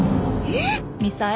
えっ！？